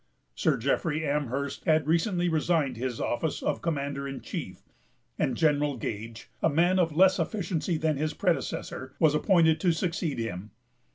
Sir Jeffrey Amherst had recently resigned his office of commander in chief; and General Gage, a man of less efficiency than his predecessor, was appointed to succeed him.